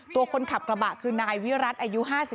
ตัวคนขับกระบะคือนายวิรัติอายุ๕๓